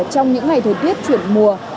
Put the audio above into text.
trong những ngày thời tiết chuyển mùa